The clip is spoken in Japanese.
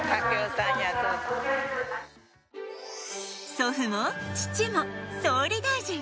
祖父も父も、総理大臣。